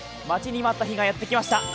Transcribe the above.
待ちに待った日がやってきました。